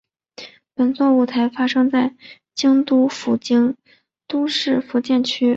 本作舞台发生在京都府京都市伏见区。